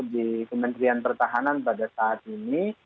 di kementerian pertahanan pada saat ini